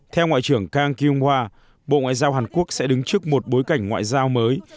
theo ngoại trưởng kang kyungwa bộ ngoại giao hàn quốc sẽ đứng trước một bối cảnh ngoại giao mới